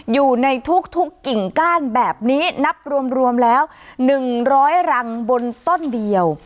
อยู่ในทุกกิ่งก้านแบบนี้นับรวมแล้ว๑๐๐รังบนต้นเดียว